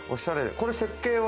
これ、設計は？